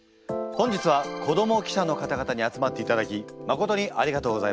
本日は子ども記者の方々に集まっていただきまことにありがとうございます。